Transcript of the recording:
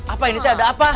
apa ini teh ada apa